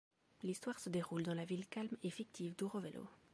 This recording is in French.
L'histoire se déroule dans la ville calme et fictive d'Ouro Velho.